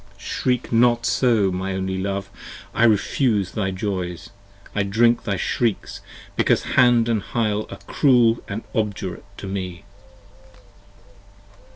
Shriek not so my only love: I refuse thy joys: I drink 62 Thy shrieks because Hand & Hyle are cruel & obdurate to me.